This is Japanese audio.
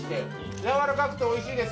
やわらかくておいしいです。